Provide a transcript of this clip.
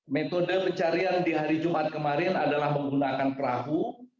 metode pencarian di hari jumat kemarin adalah menggunakan perahu